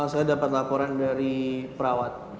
saya dapat laporan dari perawat